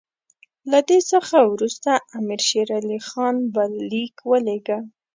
له دې څخه وروسته امیر شېر علي خان بل لیک ولېږه.